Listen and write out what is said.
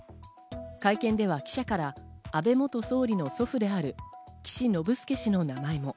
会見では記者から安倍元総理の祖父である岸信介氏の名前も。